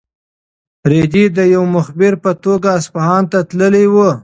رېدی د یو مخبر په توګه اصفهان ته تللی و.